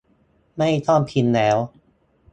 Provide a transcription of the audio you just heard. ไม่ต้องพิมพ์แล้ว